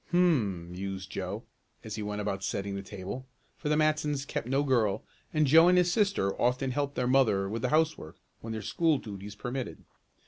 "Hum," mused Joe as he went about setting the table, for the Matsons kept no girl and Joe and his sister often helped their mother with the housework when their school duties permitted.